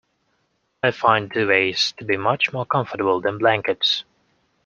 I find duvets to be much more comfortable than blankets